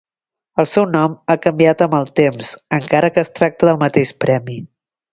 El seu nom ha canviat amb el temps, encara que es tracta del mateix premi.